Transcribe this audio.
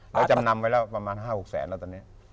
แล้วจำนำไว้แล้วประมาณ๕๖แสนเหลือตรงนี้